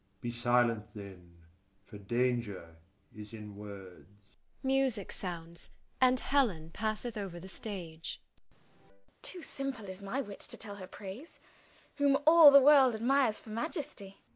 Be silent, then, for danger is in words. [Music sounds, and HELEN passeth over the stage.] SECOND SCHOLAR. Too simple is my wit to tell her praise, Whom all the world admires for majesty.